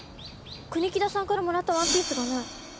国木田さんからもらったワンピースがない！